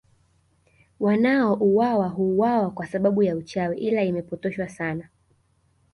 Wanaouwawa huuwawa kwa sababu ya uchawi ila imepotoshwa sana